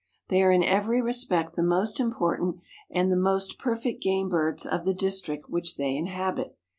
They are in every respect the most important and the most perfect game birds of the district which they inhabit.